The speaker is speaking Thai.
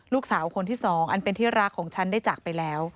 ลูกสาวคนที่สองอันเป็นที่รักของฉันได้จากไปแล้ว